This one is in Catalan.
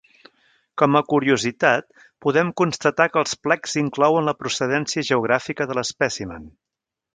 Com a curiositat podem constatar que els plecs inclouen la procedència geogràfica de l'espècimen.